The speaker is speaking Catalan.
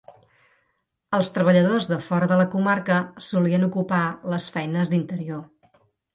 Els treballadors de fora de la comarca solien ocupar les feines d'interior.